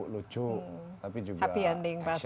lucu tapi juga happy ending pasti